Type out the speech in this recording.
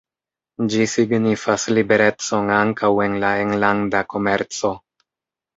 Ĝi signifas liberecon ankaŭ en la enlanda komerco.